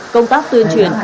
công tác tuyên truyền